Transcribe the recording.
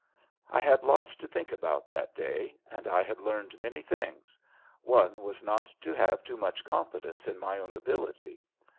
I had lots to think about that day, and I had learned many things; one was not to have too much confidence in my own ability.